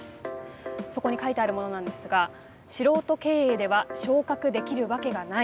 そこに書いてあるものなんですが「素人経営では昇格できるわけがない。